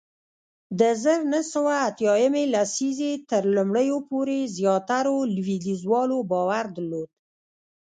د زر نه سوه اتیا یمې لسیزې تر لومړیو پورې زیاترو لوېدیځوالو باور درلود